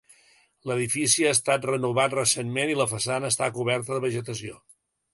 L'edifici ha estat renovat recentment i la façana està coberta de vegetació.